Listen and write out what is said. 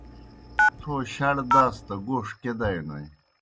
تھو شڑ داس دہ گوݜ کیْہ دائینوئے۔